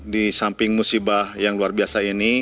di samping musibah yang luar biasa ini